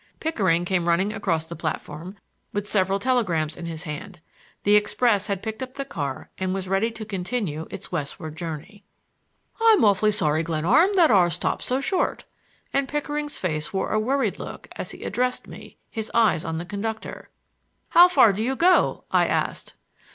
Pickering came running across the platform with several telegrams in his hand. The express had picked up the car and was ready to continue its westward journey. "I'm awfully sorry, Glenarm, that our stop's so short,"—and Pickering's face wore a worried look as he addressed me, his eyes on the conductor. "How far do you go?" I asked.